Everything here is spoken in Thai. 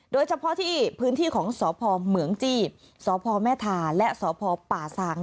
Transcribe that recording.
โดยเฉพาะที่พื้นที่ของสพเหมืองจีบสพแม่ทาและสพป่าซาง